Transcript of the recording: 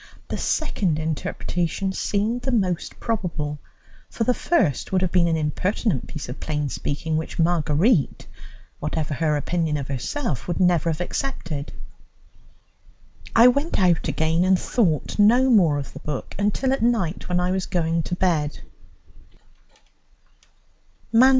The second interpretation seemed the more probable, for the first would have been an impertinent piece of plain speaking which Marguerite, whatever her opinion of herself, would never have accepted. I went out again, and thought no more of the book until at night, when I was going to bed.